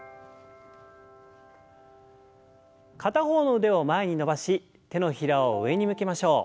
片方の腕を前に伸ばし手のひらを上に向けましょう。